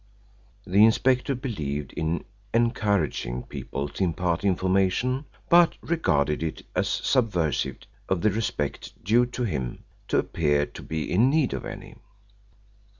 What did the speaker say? The inspector believed in encouraging people to impart information but regarded it as subversive of the respect due to him to appear to be in need of any.